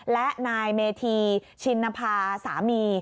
และนายเมธีชินภาสามี